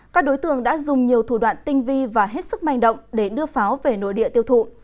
các đối tượng đã dùng nhiều thủ đoạn tinh vi và hết sức manh động để đưa pháo về nội địa tiêu thụ